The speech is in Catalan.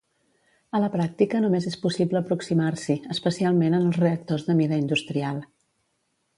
A la pràctica només és possible aproximar-s'hi, especialment en els reactors de mida industrial.